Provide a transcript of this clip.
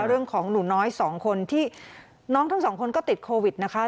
เรื่องของหนูน้อยสองคนที่น้องทั้งสองคนก็ติดโควิดนะคะ